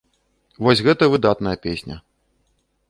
Вось гэта выдатная песня.